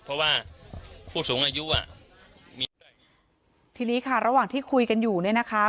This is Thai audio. เพราะว่าผู้สูงอายุอ่ะมีด้วยทีนี้ค่ะระหว่างที่คุยกันอยู่เนี่ยนะคะ